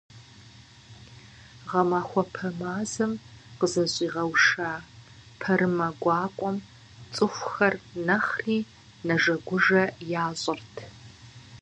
Гъэмахуэпэ мазэм къызэщӀигъэуша пэрымэ гуакӀуэхэм цӀыхухэр нэхъри нэжэгужэ ящӀырт.